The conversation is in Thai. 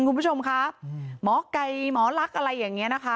คุณผู้ชมคะหมอไก่หมอลักษณ์อะไรอย่างนี้นะคะ